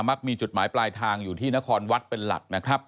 มักมีจุดหมายปลายทางอยู่ที่นครวัดเป็นหลักนะครับ